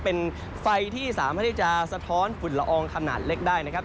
เป็นไฟที่สามารถที่จะสะท้อนฝุ่นละอองขนาดเล็กได้นะครับ